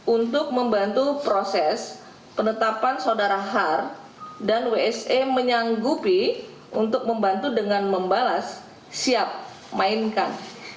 untuk membantu proses penetapan saudara har dan wse menyanggupi untuk membantu dengan membalas siap mainkan